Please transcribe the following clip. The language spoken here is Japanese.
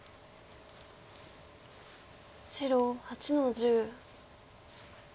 白８の十。